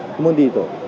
không muốn đi rồi